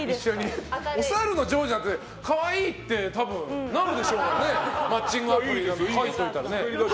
おさるのジョージなら可愛いって多分なるでしょうからマッチングアプリに書いておいたらね。